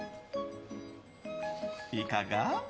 いかが？